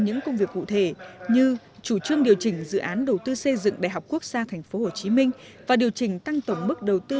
những công việc cụ thể như chủ trương điều chỉnh dự án đầu tư xây dựng đại học quốc gia tp hcm và điều chỉnh tăng tổng mức đầu tư